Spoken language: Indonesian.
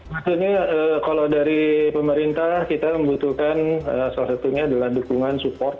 jadi maksudnya kalau dari pemerintah kita membutuhkan salah satunya adalah dukungan support